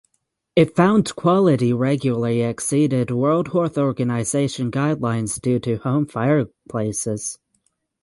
It found quality regularly exceeded World Health Organization guidelines due to home fireplaces.